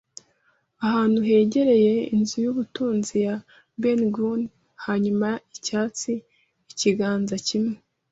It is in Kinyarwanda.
ahantu hegereye inzu y'ubutunzi ya Ben Gunn; hanyuma Icyatsi, ikiganza kimwe,